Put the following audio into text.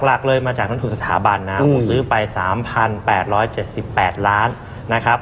หลักเลยมาจากนักทุนสถาบันนะผมซื้อไป๓๘๗๘ล้านนะครับ